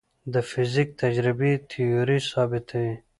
د فزیک تجربې تیوري ثابتوي.